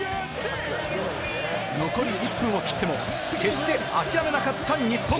残り１分を切っても決して諦めなかった日本。